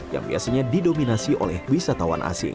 yang biasanya didominasi oleh wisatawan asing